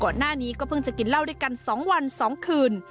ก่อนหน้านี้ก็เพิ่งจะกินเหล้าด้วยกัน๒วัน๒คืน